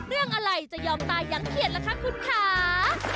เรื่องอะไรจะยอมตายอย่างเขียนล่ะคะคุณค่ะ